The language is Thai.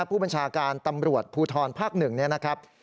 ผู้บัญชาการตำรวจภูทรภาค๑เนี่ยนะครับ